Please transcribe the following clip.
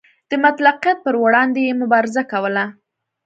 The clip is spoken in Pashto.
د مطلقیت پر وړاندې یې مبارزه کوله.